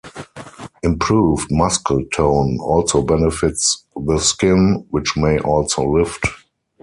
Improved muscle tone also benefits the skin, which may also lift.